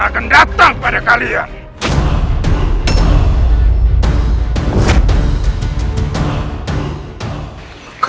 kita yang ph